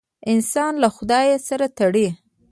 انسان له خدای سره تړي.